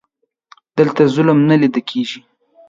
دلته ظلم نه لیده کیږي.